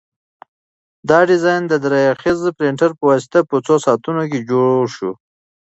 دا ډیزاین د درې اړخیزه پرنټر په واسطه په څو ساعتونو کې جوړ شو.